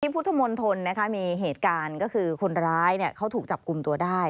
พุทธมนตรมีเหตุการณ์ก็คือคนร้ายเขาถูกจับกลุ่มตัวได้